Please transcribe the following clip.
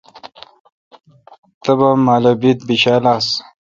تبا مالہ ببیت بیشال آآس